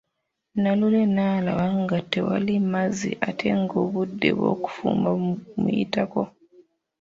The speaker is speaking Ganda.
Nalule naalaba nga tewali mazzi ate nga obudde bw’okufumba bumuyitako.